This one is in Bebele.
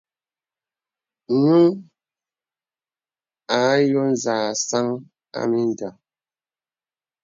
Ǹyùŋ à yɔ zə sàŋ à mìndɔ̀.